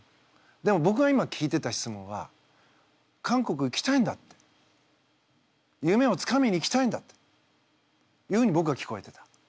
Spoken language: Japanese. でも僕が今聞いてた質問は韓国行きたいんだって夢をつかみにいきたいんだっていうふうに僕は聞こえてた。